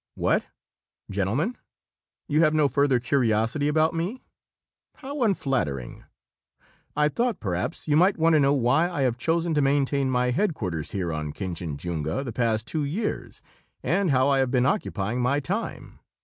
"What, gentlemen you have no further curiosity about me? How unflattering! I thought perhaps you might want to know why I have chosen to maintain my headquarters here on Kinchinjunga, the past two years, and how I have been occupying my time.